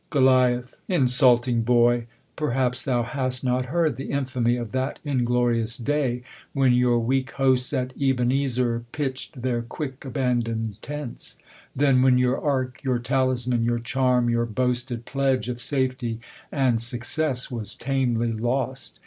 "■ Cot. 280 THE COLUMBIAN ORATOR. GoL Insulting boy ; perhaps thou hast not heard The infamy of that inglorious day, When your weak hosts at Eben ezcr pitch'd Their quick abandon'd tents. Then, when your ark, Your talisman, your charm, your boasted pledge Of safety and success, was tamely lost